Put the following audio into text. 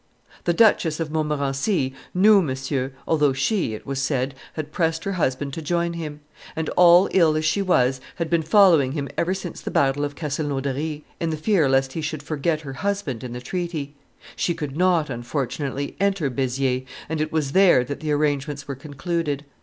] The Duchess of Montmorency knew Monsieur, although she, it was said, had pressed her husband to join him; and all ill as she was, had been following him ever since the battle of Castelnaudary, in the fear lest he should forget her husband in the treaty. She could not, unfortunately, enter Beziers, and it was there that the arrangements were concluded.